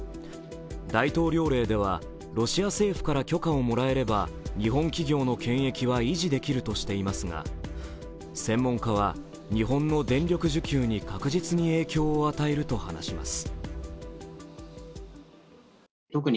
大統領令ではロシア政府から許可をもらえれば日本企業の権益は維持できるとしていますが、専門家は、日本の電力需給に確実に影響を与えると話します。